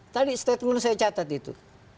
tadi statement saya catat itu